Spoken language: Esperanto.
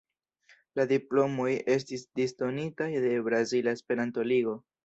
La diplomoj estis disdonitaj de Brazila Esperanto-Ligo.